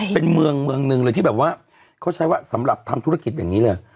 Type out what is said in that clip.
เป็นเมืองเมืองหนึ่งเลยที่แบบว่าเขาใช้ว่าสำหรับทำธุรกิจอย่างนี้เลย